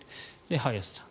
林さん。